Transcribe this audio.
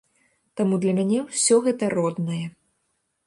Таму для мяне ўсё гэта роднае.